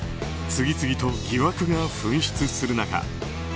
次々と疑惑が噴出する中